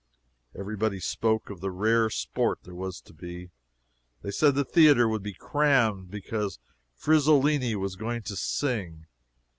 Every body spoke of the rare sport there was to be. They said the theatre would be crammed, because Frezzolini was going to sing.